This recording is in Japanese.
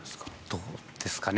どうですかね。